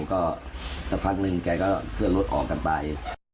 ก็สักพักนึงแกก็เคลื่อนรถออกกันไป